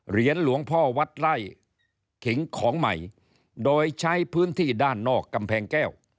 เหรียญหลวงพ่อวัดไล่ขิงของใหม่โดยใช้พื้นที่ด้านนอกกำแพงแก้ว